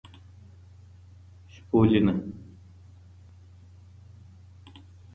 شپولینه